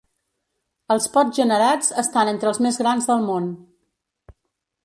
Els pots generats estan entre els més grans del món.